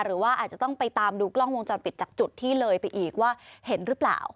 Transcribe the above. หรือว่าอาจจะต้องไปตามดูกล้องวงจรปิดจากจุดที่เลยไปอีกว่าเห็นหรือเปล่า